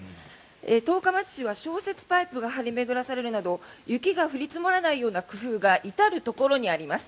十日町市は消雪パイプが張り巡らされるなど雪が降り積もらないような工夫が至るところにあります。